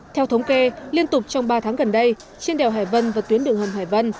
theo thống kê liên tục trong ba tháng gần đây trên đèo hải vân và tuyến đường hầm hải vân